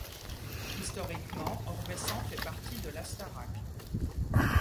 Historiquement, Orbessan fait partie de l'Astarac.